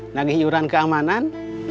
nagih yuran keamanan